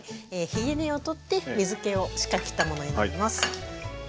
ひげ根を取って水けをしっかりきったものになります。